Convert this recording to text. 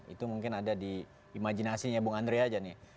itu mungkin ada di imajinasinya bung andre aja nih